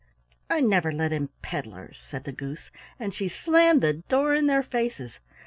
"I never let in peddlers," said the Goose, and she slammed the door in their faces.